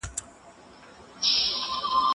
زه پرون د کتابتون کتابونه ولوستل!!